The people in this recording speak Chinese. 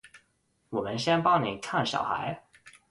我们先帮妳看小孩